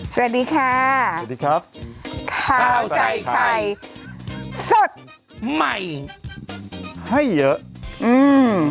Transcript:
สวัสดีค่ะสวัสดีครับข้าวใส่ไข่สดใหม่ให้เยอะอืม